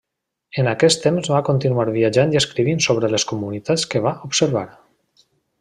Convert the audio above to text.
En aquest temps va continuar viatjant i escrivint sobre les comunitats que va observar.